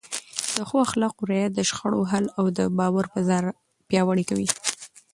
د ښو اخلاقو رعایت د شخړو حل او د باور فضا پیاوړې کوي.